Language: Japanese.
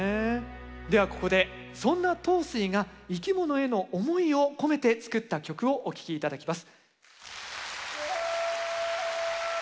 ではここでそんな桃水が生き物への思いを込めて作った曲をお聴き頂きます。